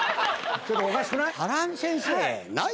ちょっとおかしくない？